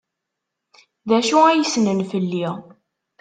D acu ay ssnen fell-i?